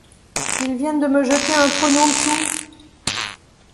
Ils viennent de me jeter un trognon de chou.